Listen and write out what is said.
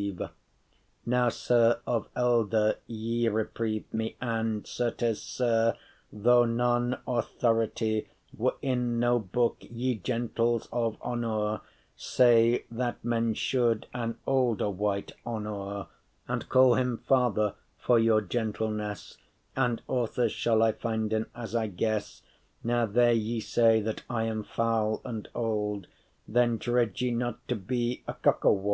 * *reproach “Now, Sir, of elde* ye repreve me: *age And certes, Sir, though none authority* *text, dictum Were in no book, ye gentles of honour Say, that men should an olde wight honour, And call him father, for your gentleness; And authors shall I finden, as I guess. Now there ye say that I am foul and old, Then dread ye not to be a cokewold.